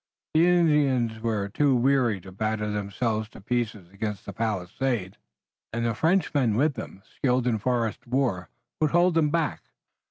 The Indians were too wary to batter themselves to pieces against the palisade, and the Frenchmen with them, skilled in forest war, would hold them back.